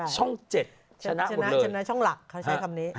ช่อง๗ชนะชนะช่องหลักเขาใช้คำนี้